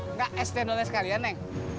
enggak es tendelnya sekalian neng